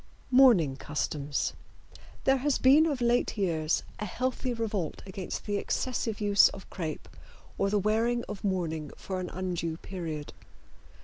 MOURNING CUSTOMS. There has been of late years a healthy revolt against the excessive use of crepe or the wearing of mourning for an undue period.